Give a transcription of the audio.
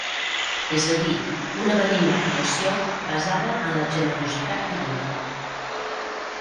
És a dir, una benigna creació basada en la generositat divina.